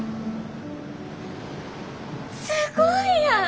すごいやん！